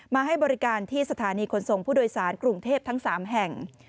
ให้บริการที่สถานีขนส่งผู้โดยสารกรุงเทพทั้ง๓แห่ง